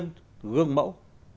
công dân gương mẫu